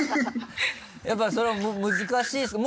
やっぱそれは難しいですか？